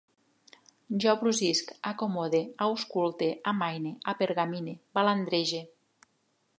Jo brusisc, acomode, ausculte, amaine, apergamine, balandrege